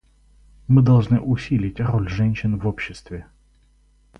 Мы должны усилить роль женщин в обществе.